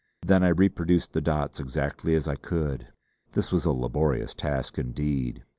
Then I reproduced the dots as exactly as I could. This was a laborious task indeed.